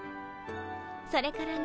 それからね